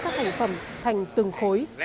các thành phẩm thành từng khối